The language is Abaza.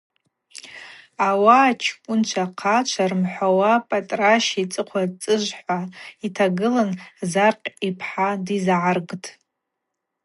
Ауаъа чкӏвынчва-хъачва рымхӏвауа Пӏатӏращ йцӏыхъва цӏыжв – хӏва йтагылын Заркъь йпхӏа дйызгӏаргтӏ.